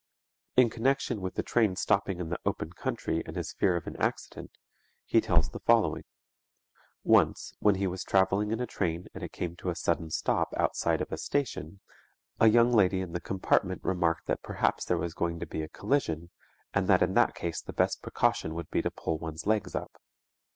In connection with the train stopping in the open country and his fear of an accident, he tells the following: Once, when he was traveling in a train and it came to a sudden stop outside of a station, a young lady in the compartment remarked that perhaps there was going to be a collision, and that in that case the best precaution would be to pull one's legs up.